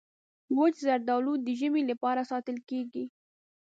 وچ زردالو د ژمي لپاره ساتل کېږي.